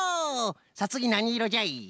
さあつぎなにいろじゃい？